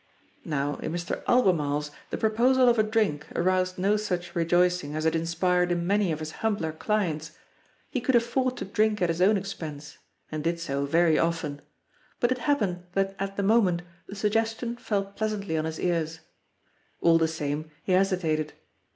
Now, in Mr. Albemarle the proposal of a drink aroused no such rejoicing as it inspired in many of his humbler clients ; he could aflFord to drink at his own expense, and did so very often, but it happened that at the moment the sugges tion fell pleasantly on his ears. All the same, he hesitated.